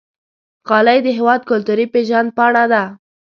غالۍ د هېواد کلتوري پیژند پاڼه ده.